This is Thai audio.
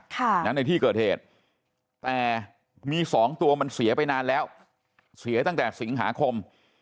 ในที่เกิดเหตุแต่มีสองตัวมันเสียไปนานแล้วเสียตั้งแต่สิงหาคม